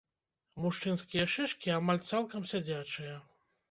Мужчынскія шышкі амаль цалкам сядзячыя.